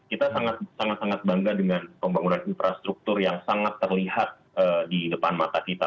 kita sangat sangat bangga dengan pembangunan infrastruktur yang sangat terlihat di depan mata kita